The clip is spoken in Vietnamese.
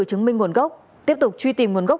chứng minh nguồn gốc tiếp tục truy tìm nguồn gốc